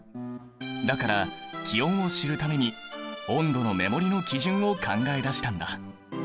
だから気温を知るために温度の目盛りの基準を考えだしたんだ！